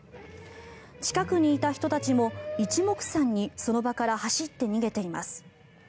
近くにいた人たちも一目散にその場から走って逃げています。